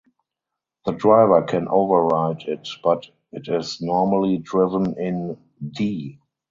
The driver can override it but it is normally driven in "D".